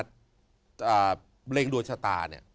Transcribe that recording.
จะบริเล็งรวชชาตา